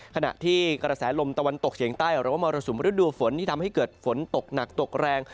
ขณะที่กระแสลมตะวันตกเฉียงใต้หรือว่ามรสุมฤดูฝนที่ทำให้เกิดฝนตกหนักตกแรง